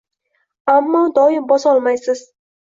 Ammo doim bosolmaysiz